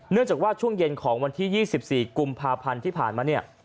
จากว่าช่วงเย็นของวันที่๒๔กุมภาพันธ์ที่ผ่านมาเนี่ย